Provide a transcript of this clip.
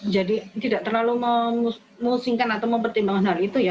jadi tidak terlalu memusingkan atau mempertimbangkan hal itu ya